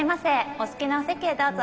お好きなお席へどうぞ。